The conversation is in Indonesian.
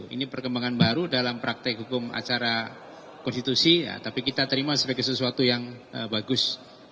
ini perkembangan baru dalam praktek hukum acara konstitusi tapi kita terima sebagai sesuatu yang bagus